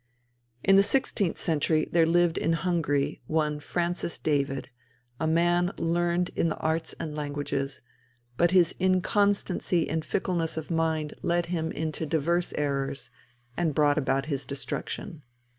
In the sixteenth century there lived in Hungary one Francis David, a man learned in the arts and languages, but his inconstancy and fickleness of mind led him into diverse errors, and brought about his destruction.